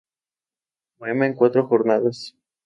Poema en cuatro jornadas".